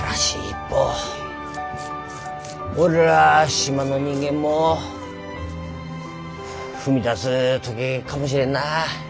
俺ら島の人間も踏み出す時かもしれんなぁ。